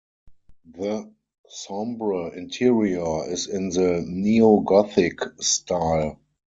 The sombre interior is in the Neo-Gothic style.